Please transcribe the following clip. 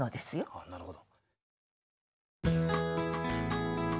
あっなるほど。